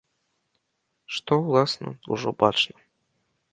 Што, уласна, ужо бачна.